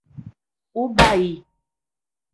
Ubaí